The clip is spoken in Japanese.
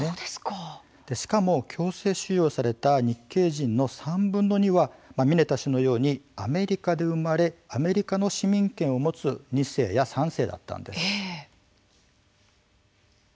しかも、強制収容された日系人の３分の２はミネタ氏のようにアメリカで生まれアメリカの市民権を持つ２世や３世だったんです。